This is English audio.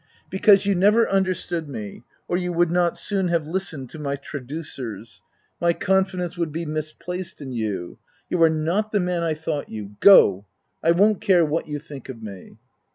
M Because, you never understood me, or you would not soon have listened to my traducers — OF WILDFELL HALL. 255 my confidence would be misplaced in you — you are not the man I thought you — Go ! I won't care what you think of me